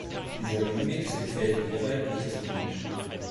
Dieser Remix gefällt Gerald nicht so gut.